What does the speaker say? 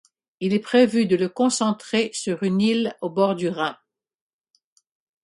Il est prévu de le concentrer sur une île au bord du Rhin.